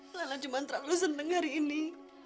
karena cuma terlalu seneng hari ini